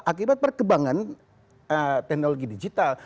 akibat perkembangan teknologi digital